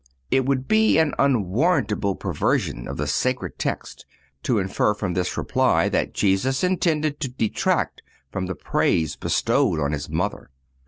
It would be an unwarrantable perversion of the sacred text to infer from this reply that Jesus intended to detract from the praise bestowed on His Mother.